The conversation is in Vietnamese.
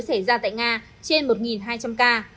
xảy ra tại nga trên một hai trăm linh ca